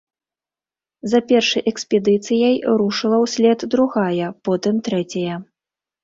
За першай экспедыцыяй рушыла ўслед другая, потым трэцяя.